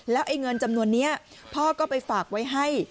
ไอ้เงินจำนวนนี้พ่อก็ไปฝากไว้ให้